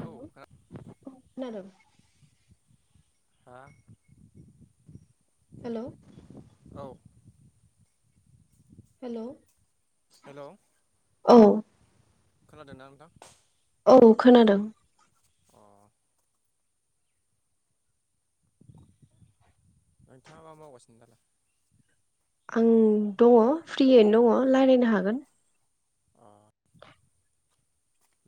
औ खोना हेल' खोनादों। हा? हेल' औ। हेल' हेल' औ। खोनादोंना नोंथां? औ खोनादों। अ नोंथाङा मा मावगासिनो दालाय? आं दङ फ्रियैनो दङ' रायलायनो हागोन। अ।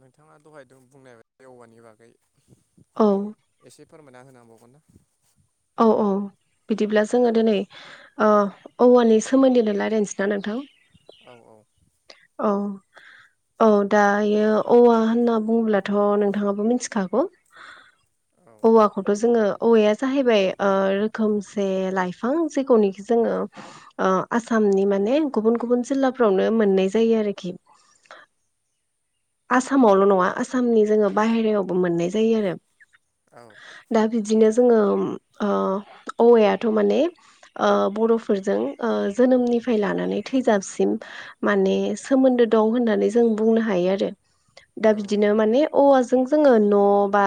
नोंथाङा दहाय बुंनाय औवानि बागै औ एसे फोरमायना होनो हाबावगोन ना औ औ बिदिब्ला जोङो दिनै ओ औवानि सोमोन्दैनो रायज्लायनोसै ना नोंथां औ औ औ औ दायो औवा होनना बुङोब्लाथ' नोंथाङाबो मिथिखागौ औ औवाखौथ' जोङो औवाया जाहैबाय ओ रोखोमसे लाइफां जेखौनोखि जोङो ओ आसाम नि माने गुबुन गुबुन जिल्लाफ्रावनो मोननाय जायो आरोखि आसामावल' नङा आसामनि जोङो बाहेरायावबो मोननाय जायो आरो औ दा बिदिनो। जोङो ओ औवाथ' माने बर'फोरजों ओ जोनोमनि। निफ्राय लानानै थैजाबसिम माने सोमोन्दो दं होननानै जों बुंनो हायो आरो। दा बिदिनो माने अवा। जों जोङो न' बा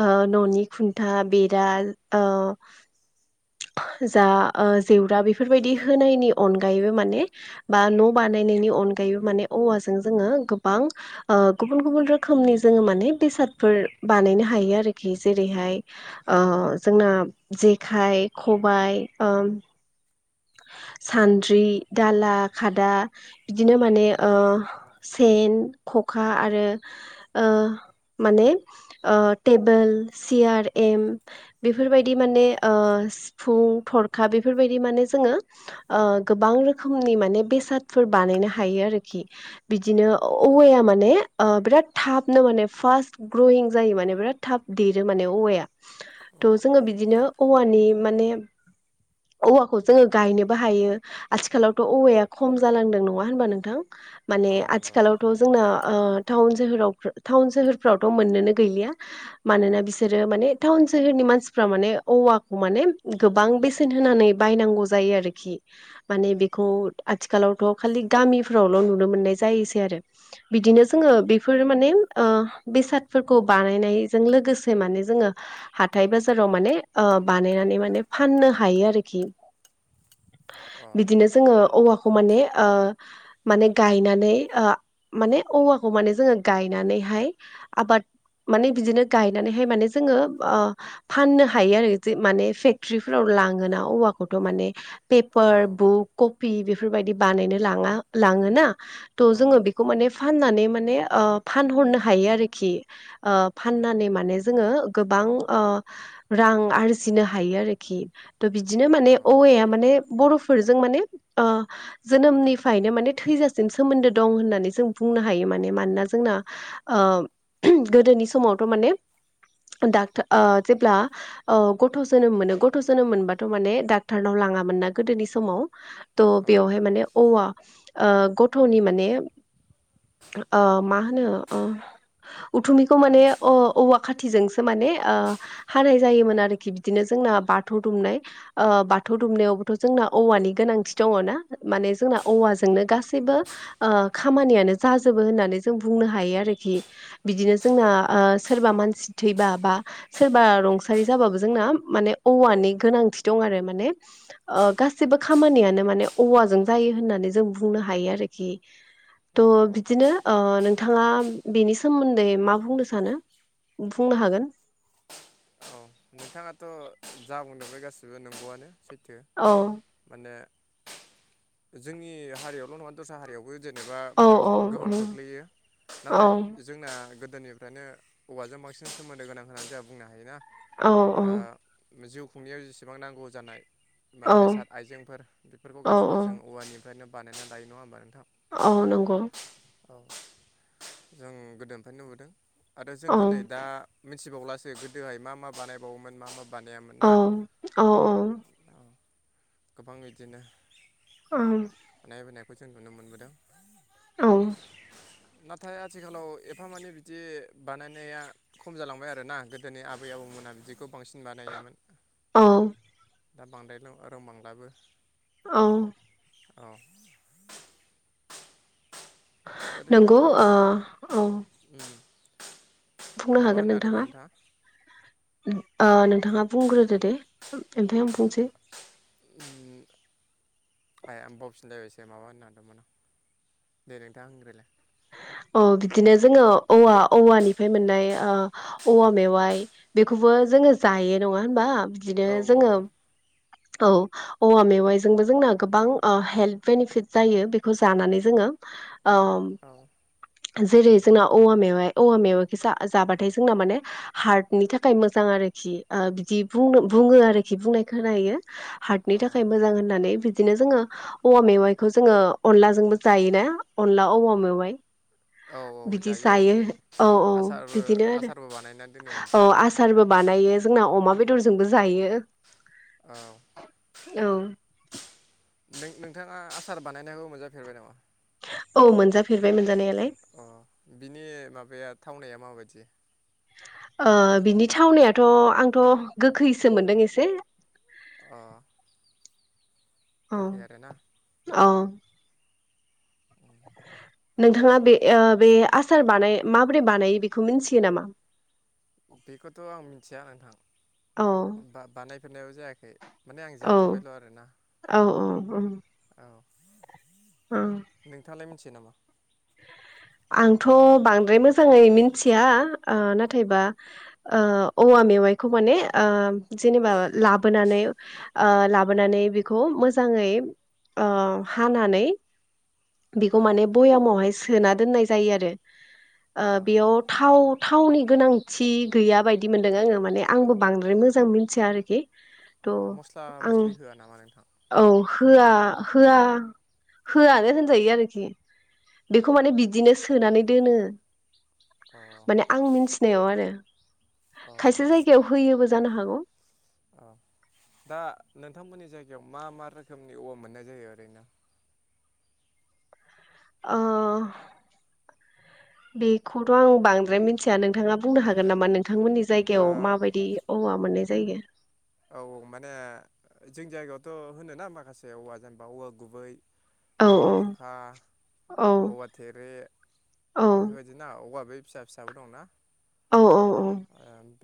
ओ न'नि खुन्था बेरा ओ। जा जेवरा बेफोरबायदि होनायनि अनगायैबो माने बा न' बा। नायनायनि अनगायैबो माने औवाजों जोङो गोबां। ओ गुबुन गुबुन रोखोमनि जोङो माने बेसादफोर बानायनो हायो आरोखि जेरैहाय। ओ जोंना जेखाइ खबाइ ओम। [inaudible] सानद्रि दाला खादा बिदिनो माने ओ सेन खखा आरो ओ माने ओ टेबोल सियार एम बेफोरबायदि माने ओ सिफुं, थरखा बेफोरबायदि माने जोङो ओ गोबां रोखोमनि माने बेसादफोर बानायनो हायो आरोख बिदिनो औवाया माने ओ बिराद थाबनो माने फास ग्रयिं जायो माने बिराद थाब देरो मा ने अवाया औ अ थ बिदिनो अवानि माने अवा खौ जोङो गायनोबो हायो आथिखालावथ' औवाया खम जालांदों नङा होनबा नोंथां? माने औ नंगौ आथिखालावथ' जोंना ओ थाउन सोहोरफोर थाउन सोहोरफ्राव मोननोनो गैलिया मानोना बिसोरो माने थाउन सोहोरनि मानसिफ्रा माने औवाखौ माने गोबां बेसेन होनानै। बायनांगौ जायो आरोखि माने बेखौ आथिखालावथ' खालि गामिफ्रावल' नुनो मोननाय जायोसै आरो बिदिनो औ जोङो बेफोर माने ओ बेसादफोरखौ बानायनायजों लोगोसे माने जोङो हाथाइ बाजाराव माने ओ बानायनानै माने फाननो हायो आरोखि अ औ बिदिनो जोङो औवाखौ माने ओ माने गायनानै ओ माने औवाखौ माने जोङो गायनानैहाय आबाद माने बिदिनो गायनानैहाय माने जोङो ओ फाननो हायो आरो जों माने फेक्टर्रिफोराव लाङोना औवा खौथ' माने पेपार बुक कपि बेफोरबायदि बानायनो लाङा लाङोना। थ औ जोङो बेखौ माने फाननानै मा ने ओ फानहरनो हायो आरोखि ओ फाननानै माने जोङो गोबां ओ रां आरजिनो हायो आरोखि थह बिदिनो अ माने औवाया माने बर'फोरजों माने ओ जोनोमनिफ्रायनो माने थैजासिम सोमोन्दो दं होननानै जों बुं बुंनो हायो मान मानोना जोंना ओ गोदोनि समावथ' माने डाकटा ओ जेब्ला ओ गथ' अ जोनोम मोनो गथ' जोनोम मोनबा थ' माने डक्टारनाव लाङामोन ना गोदोनि समाव थह बेयावहाय माने औवा। ओ गथ'नि माने अ मा होनो अ उथुमिखौ माने अ औवा खाथिजोंसो माने ओ हानाय जायोमोन आरोखि बिदिनो जों जोंना बाथौ दुमनाय ओ बाथौ दुमनायावबोथ' जोंना औवानि गोनांथि दङना माने जोंना औवाजोंनो गासै बो ओ खामानियानो जाजोबो होननानै जों बुंनो हायो आरोखि बिदिनो जोंना ओ ओ सोरबा मानसि थैबा बा सोरबा रुंसारि जाबाबो जोंना माने औवानि गोनांथि। दं आरो माने अ गासिबो खामानियानो माने औवाजों जायो होननानै जों बुंनो हायो आरोखि। थ' औ औ बिदिनो ओ नोंथाङा। बेनि सोमोन्दै मा बुंनो सानो बुंनो हागोन। औ नोंथाङाथ' जा बुंदों बे गासिबो नंगौआनो सैथो औ माने। जोंनि हारियावल' नङा दस्रा हारियावबो जे नेबा औ औ बांसिन औ गोहोम खोख्लैयो औ नाथाय जोंना गो दोनिफ्रायनो औवाजों बांसिन सोमोन्दो गोनां होननानै जोंहा बुंनो हायो ना। औ औ। जिउ खुंनायाव जिसिबां नांगौ जानाय बा औ बेसाद आइजेंफोर बिफोरखौ औ गासिबो जों औवानिफ्रायनो बानायनानै लायो नङा होमबा नोंथां। औ नंगौ। औ जों गोदोनिफ्रायनो नुबोदों आरो औ जोंथ' नै दा मिथिबावलासो गोदोहाय मा मा बानायबावोमोन मा मा बानायामोन औ ना औ औ। गोबां इदिनो ओम‌ खौ जों नुनो मोनबोदों [unintelligible] नाथाय आथिखालाव एफा मानि बिदि बानायनाया खम जालांबाय आरोना गोदोनि आबै आबौमोना बिदि खौ बांसिन बानायोमोन औ दा बांद्राय लों रोंबांब्लाबो औ। अ। नोंगौ ओ औ फुंनो माबा हागोन होननो हादोंमोन नोंथाङा [unintelligible] ओ नोंथाङा बुंग्रोदो दे ओमफाय आं बुंसै उम आइया आं बावफिनलायसो माबा होनो नादोंमोन आं दे नोंथां होनग्रोलाय [unintelligible] औ बिदिनो जोङो औवा औवानिफाय मोननाय ओ औवा मेवाइ बेखौबो जोङो जायो नङा होनबा बिदिनो औ जोङो औ औवा मेवाइजोंबो जोंना गोबां ओ हेल्थ बेनिफिट जायो बेखौ जानानै जोङो ओम औ जेरै ज जोंना औवा मेवाय औवा मेवाखो जा जाबाथाय जोंना माने हार्टनि थाखाय मोजां आरोखि ओ ओ बिदि बुंनो बुङो आरोखि बुंनाय खोनायो हार्टनि औ थाखाय मोजां होननानै बिदिनो जोङो औवा मेवाइखौ जोङो अनलाजोंबो जायोना अनला औवा मेवाइ औ औ बिदि जायो औ औ आसारबो बिदिनो आरो आसारबो बानायनानै दोनो औ ओमफ्राय आसारबो बा बानायो जोंनाव अमा बेदरजोंबो जायो औ औ नों नोंथाङा आसार बानायनायखौ मोनजाफेरबाय नामा? औ मोनजाफेरबाय मोनजानायालाय अ बिनि माबाया थावनाया माबायद दि ओ बिनि थावनायाथ' आंथ' गोखैसो मोनदों एसे अ अ गोखै आरोना अ [unintelligible] नोंथाङा बे ओ बे आसार बानाय माबोरै बानायो बेखौ मिनथियो नामा? बेखौथ' आं मिनथिया नोंथां औ बा बानायफेरनायबो जायाखै। माने आं औ जाफेरबायल' आरोना औ औ औ औ औ नोंथाङालाय मिनथियो नामा? आंथ' बांद्राय मोजाङै मिनथिया ओ नाथायबा ओ औवा मेवायखौ माने ओम जेनेबा लाबोनानै ओ लाबोनानै बिखौ मोजां आङै [unintelligible] ओ हानानै बिखौ औ माने भयामावहाय सोना दोननाय जायो आरो। ओ अ बियाव थाव थावनि गोनांथि गैया बायदि मोनदों आङो माने आंबो बांद्राय मोजां मिनथिया आरोखि त' अ मस्ला आं मस्लि होआ नामा नोंथां औ होआ [unintelligible] होया होयानो होनजायो आरोखि बिखौ माने बि दिनो सोनानै दोनो अ माने आं मिनथिनायाव आरो अ खायसे जायगायाव होयोबो जानो हागौ। अह दा नोंथांमोननि जायगायाव मा मा रोखोमनि औवा मोननाय जायो ओरैनो ओ बेखौथ' आं बांद्राय मिनथिया नों थाङा बुंनो माने हागोन नामा नोंथांमोननि ओ जायगायाव माबायदि औवा मोननाय जायो। औ औ माने जोंनि जायगायावथ' होनोना माखासे औवा जेनेबा औवा गुबै औ औवा बुरखा औ औवा थेरे औ बेफोरबायदि ना औवा बै फिसा फिसाबो दंना औ औ -औ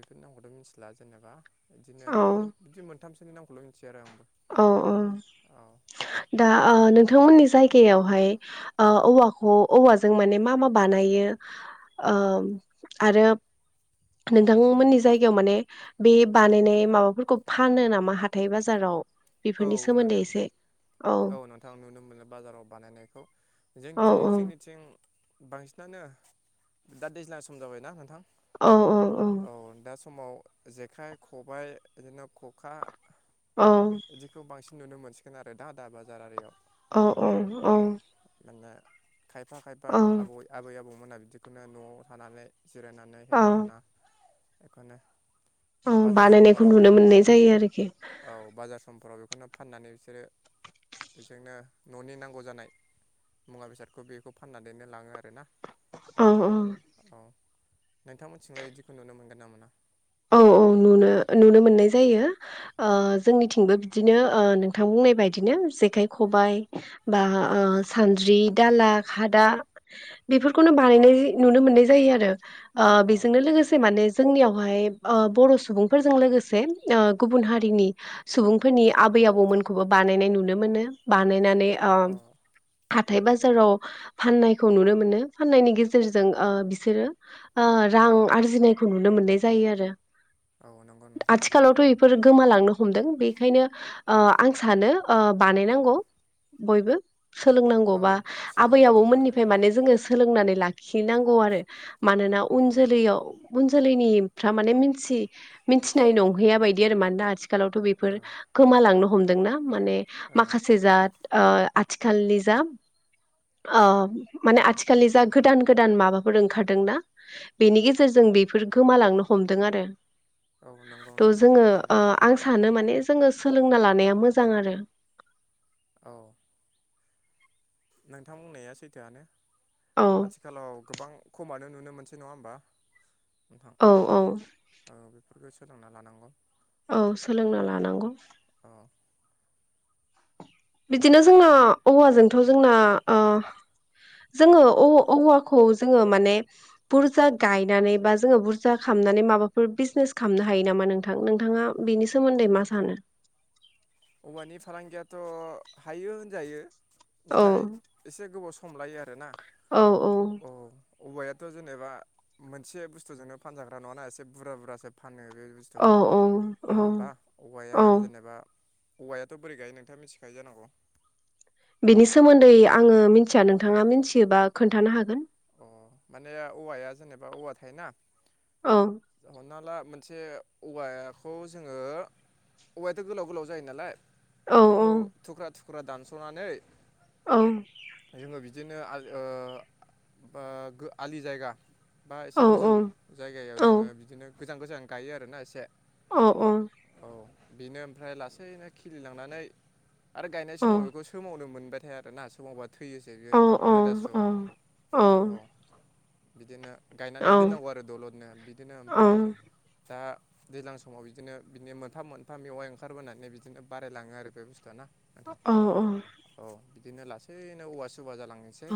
बेफोर नामखौथ' मिनथिला जेनेबा इदिनो औ इदि मोनथामसोनि नामखौल' मिथि औ औ दा ओ नों थांमोननि जायगायावहाय ओ औवाखौ औवाजों माने मा मा बानायो ओम आरो नोंथांमोननि जायगायाव माने बे बानायनाय माबाफोरखौ फानो नामा हाथाय बाजाराव औ बेफोरनि सोमोन्दै नोंथां एसे औ नोंथां नुनो मोनो बाजाराव बानायनायखौ औ जोंथि जोंनिथिं बांसिनानो दा दैज्लां सम जाबायना नोंथां औ औ दास खमाव जेखाइ खबाय इदिनो खखा औ इदिखौ बांसिन नुनो मोनसिगोन आरो दा-दा बाजार आरियाव औ औ अ औ माने खायफा खायफा आबौयै आबै आबौमोना बिदिखौनो न'आव थानानै जिरायनानै हेब्बाय थाना एखौनो औ बानायनायखौ नुनो मोननाय जायो आरोखि औ बाजार समफोराव बेखौनो फाननानै बिसोरो बेजोंनो न'नि नांगौ जानाय मुवा बेसादखौ बेखौ फाननानै नो लाङो आरोना ओं ओं औ नोंथांमोनथिंलाय इदिखौ नुनो मोनगोन ना मोना औ औ नुनो-नुनो मोननाय जायो ओ जोंनिथिंबो बिदिनो ओ नोंथां बुंनाय बायदिनो जेखाय खबाय बा ओ सान्द्रि दाला खादा बेफोरखौ [unintelligible] बानायनाय नुनो मोननाय जायो आरो ओ औ बेजोंनो लोगोसे माने जोंनियावहाय ओ बर' सुबुंफोरजों लोगोसे ओ गुबुन हारिनि सुबुंफोरनि आबै आबौमोनखौबो बा बानायनाय नुनो मोनो बानायनानै ओ औ हा थाय बाजाराव फाननायखौ नुनो मोनो फाननायनि गेजेरजों ओ बिसोरो ओ रा आं आरजिनायखौ नुनो मोननाय जायो आरो औ नंगौ नोंथां फोर गोमालांनो हमदों बेखायनो ओ आं सानो ओ बानायनांगौ बयबो सोलोंनांगौ औ बा आबै सोलोंनांगौ आरोना आबौमोननिफाय माने जोङो सोलोंनानै लाखिनांगौ आरो मानोना औ उन जोलैयाव उन जोलैनिफ्रा माने मिन थि मिनथिनाय नंहैया बायदि आरो मानोना आथिखालावथ' औ बेफोर गोमालांनो हमदोंना माने औ माखासे जाद ओ आथिखालनि जा ओ माने आथिखालनि जा गोदान गोदान माबाफोर ओंखारदोंना बेनि गेजेरजों उम बेफोर गोमालांनो हमदों आरो औ नंगौ त' नोंथां जोङो थारैनो ओ नंगौ आं सानो मानेज जोङो सोलोंना लानाया मोजां आरो औ नोंथां बुंनाया सैथोआनो औ आथिखालाव गोबां खमानो नुनो मोनसै नङा होमबा नोंथां औ औ औ बेफोरखौ सोलोंना लानांगौ औ सोलोंना लानांगौ अ बिदिनो जोंना औवाजोंथ' जोंना ओ जोङो औ-औवाखौ जोङो माने बुरजा गायनानै बा जोङो बुरजा खा नानै माबाफोर बिजनेस खामनो हायो नामा नोंथां नोंथाङा बेनि सोमोन्दै मा सानो? [inaudible] औवानि फालांगियाथ' हायो होनजायो औ नाथाय एसे गोबाव स' खमलायो आरो ना औ औ औवायाथ' जेनेबा मोनसे बुस्थुजोंनो फानजाग्रा नङाना एसे बुरा बुरजासो फानो बे औ बुस्थुखौ औ औ नङा होमबा औवाया औ जेनेबा औवायाथ बोरै गायो नोंथाङा मिथिखायो जानांगौ। बेनि सोमोन्दै आङो मिथिया नोंथाङा मिथियोबा खोन्थानो हागोन। अ माने औवाया जेनेबा औवा थायोना औ हमना ला मोनसे औवाखौ जोङो औवायाथ गोलाव गोलाव जायो नालाय औ बेखौ थुख्रा थुख्रा दानस'नानै औ जोङो बिदिनो आलि ओ ओ आलि जायगा बा एसे औ गोजौ औ जायगायाव औ जोङो बिदिनो अ औ औ बेनो ओमफ्राय लासैनो खिलिलांनानै आरो गायनाय अ समाव बेखौ सोमावनो मोन बाय थाया आरो ना समावबा थैयोसै बियो अ रोदासुआ। अ औ बिदिनो गायनानै अ दोननांगौ आरो दलदनो बिदिनो ओमफ्राय दा दैज्लां समाव बिदिनो बिदिनो मोनफा मोनफा मेवाइ ओंखारबोनानै बिदिनो बारायलाङो आरो बे बुस्थुआ ना। नोंथां औ औ औ बिदिनो लासैनो औवा सुबा जालांनोसै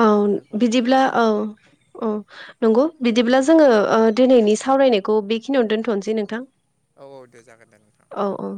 औ बिदिब्ला औ औ नंगौ बिदिब्ला जोङो ओ दिनैनि सावरायनायखौ बेखिनियावनो दोनथनोसै नोंथां। औ औ दे जागोन दे नोंथा औ औ